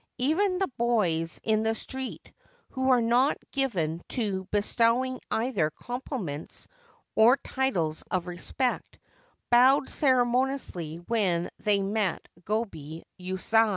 Even the boys in the street, who are not given to bestowing either compliments or titles of respect, bowed ceremoniously when they met Gobei Yuasa.